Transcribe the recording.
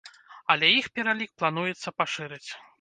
Але іх пералік плануецца пашырыць.